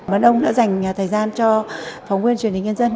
mà ông đã dành thời gian cho phóng viên truyền hình nhân dân